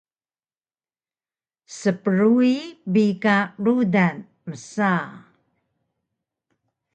“Sprui bi ka rudan” msa